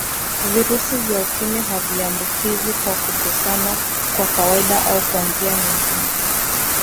Virusi vya Ukimwi haviambukizwi kwa kugusana kwa kawaida au kwa njia nyingine